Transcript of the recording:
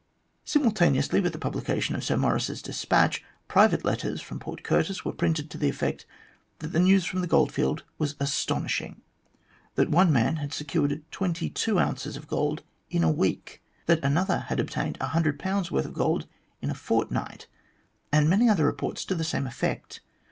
Simultaneously with the publication of Sir Maurice's despatch, private letters from Port Curtis were printed to the effect that the news from the goldfield was astonishing, that one man had secured twenty two ounces of gold in a week, that another had obtained 100 worth of gold in a fortnight, and many other reports to the same effect.